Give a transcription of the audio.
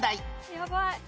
やばい。